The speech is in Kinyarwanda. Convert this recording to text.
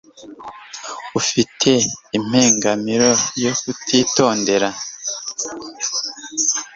Ufite impengamiro yo kutitondera.